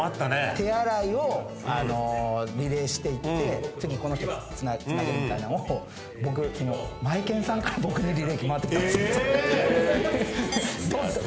手洗いをリレーしていって次この人につなげるみたいなんをマエケンさんから僕にリレー回ってきたんですよ。